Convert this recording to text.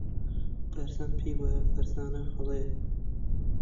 بارزان پێی وایە فەرزانە هەڵەیە.